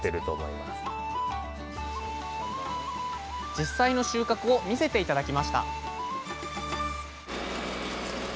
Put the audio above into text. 実際の収穫を見せて頂きました